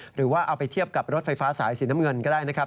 หรือว่าเอาไปเทียบกับรถไฟฟ้าสายสีน้ำเงินก็ได้นะครับ